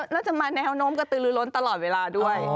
แล้วจะมาแนวโน้มกระตือลือล้นตลอดเวลาด้วย